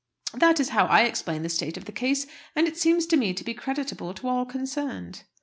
That is how I explain the state of the case; and it seems to me to be creditable to all concerned."